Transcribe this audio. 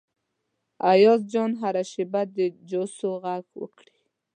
ایاز جان هره شیبه د جوسو غږ وکړي.